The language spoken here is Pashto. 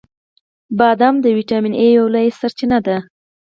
• بادام د ویټامین ای یوه لویه سرچینه ده.